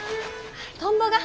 トンボが。